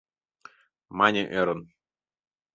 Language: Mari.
Мане ӧрын: